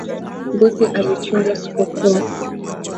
Mbuzi alichinjwa sikukuu